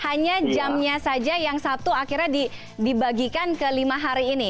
hanya jamnya saja yang satu akhirnya dibagikan ke lima hari ini